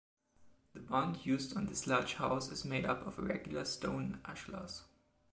The bond used on this large house is made up of irregular stone ashlars.